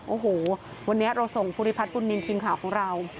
โอ้โหวันนี้เราส่งภูริพัฒนบุญนินทีมข่าวของเรา